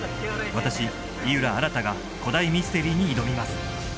私井浦新が古代ミステリーに挑みます